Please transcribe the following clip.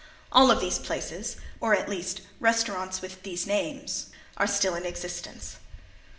All of these places, or at least restaurants with these names, are still in existence.